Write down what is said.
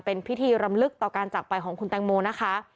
เป็นพิธีรำลึกต่อการจากไปของคุณแตงโมนะคะ